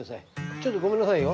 ちょっとごめんなさいよ。